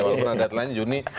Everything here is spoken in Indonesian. walaupun deadline nya juni